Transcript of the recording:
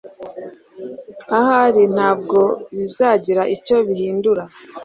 Ahari ntabwo bizagira icyo bihindura